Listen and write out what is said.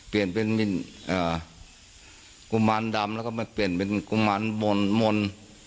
เปลี่ยนเป็นกุมารดำแล้วก็มาเปลี่ยนเป็นกุมารมนต์มนต์